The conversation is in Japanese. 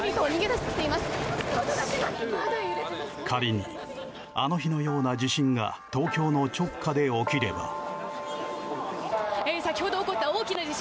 仮に、あの日のような地震が東京の直下で起きれば。